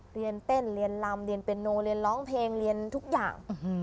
เรียนเต้นเรียนลำเรียนเป็นโนเรียนร้องเพลงเรียนทุกอย่าง